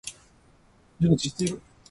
熟知している。